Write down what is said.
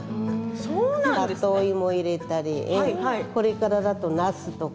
里芋を入れたりこれからだと、なすとか。